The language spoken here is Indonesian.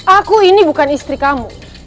aku ini bukan istri kamu